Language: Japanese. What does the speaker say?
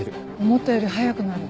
思ったより早くなる。